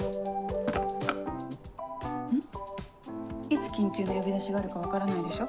いつ緊急の呼び出しがあるか分からないでしょ？